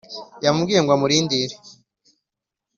yamubwiye ngo amurindire